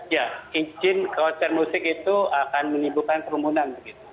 ya izin konser musik itu akan menimbulkan kerumunan